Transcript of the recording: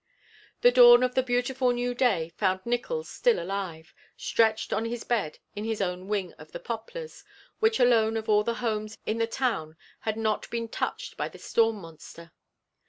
The dawn of the beautiful new day found Nickols still alive, stretched on his bed in his own wing of the Poplars, which alone of all the homes in the Town had not been touched by the storm monster.